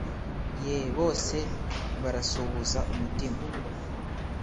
Ye bose barasuhuza umutima